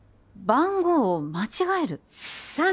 番号を間違える？